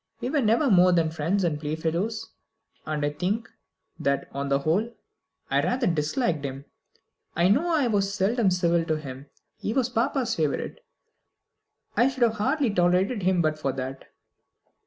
"We were never more than friends and playfellows. And I think that, on the whole, I rather disliked him. I know I was seldom civil to him. He was papa's favourite. I should hardly have tolerated him but for that."